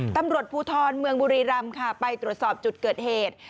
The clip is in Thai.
ตำรวจภูทรเมืองบุรีรำค่ะไปตรวจสอบจุดเกิดเหตุ